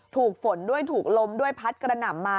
ถูกฝนด้วยถูกลมด้วยพัดกระหน่ำมา